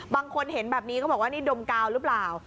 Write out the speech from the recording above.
บางคนเห็นแบบนี้เขาบอกว่านี่ดมกาวหรือเปล่า